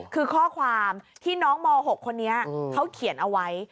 คือข้อความที่น้องม๖คนนี้เขาเขียนเอาไว้